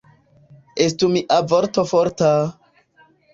Estu mia vorto forta!